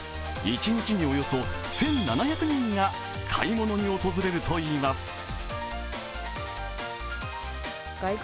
一日におよそ１７００人が買い物に訪れるといいます。